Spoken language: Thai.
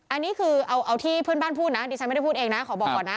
อันนี้คือเอาที่เพื่อนบ้านพูดนะดิฉันไม่ได้พูดเองนะขอบอกก่อนนะ